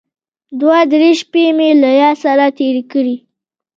دوه درې شپې مې له ياره سره تېرې کړې.